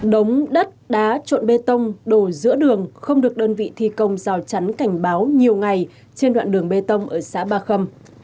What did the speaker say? đống đất đá trộn bê tông đổ giữa đường không được đơn vị thi công rào chắn cảnh báo nhiều ngày trên đoạn đường bê tông ở xã ba khâm